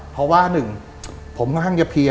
เพราะว่าหนึ่งผมค่อนข้างจะเพียร์